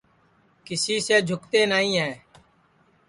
کیسی سے جھوکتے نائی ہے